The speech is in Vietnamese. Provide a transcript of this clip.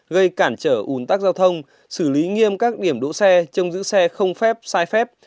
gây cản trở ùn tắc giao thông xử lý nghiêm các điểm đỗ xe trông giữ xe không phép sai phép